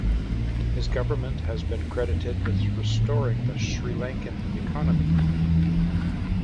His government has been credited with restoring the Sri Lankan economy.